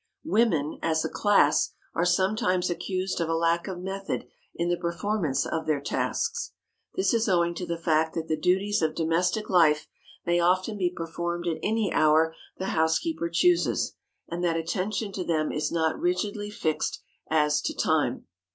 Women, as a class, are sometimes accused of a lack of method in the performance of their tasks. This is owing to the fact that the duties of domestic life may often be performed at any hour the housekeeper chooses, and that attention to them is not rigidly fixed as to time.